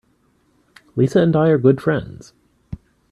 Lisa and I are good friends.